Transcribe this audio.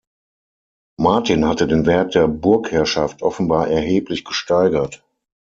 Martin hatte den Wert der Burgherrschaft offenbar erheblich gesteigert.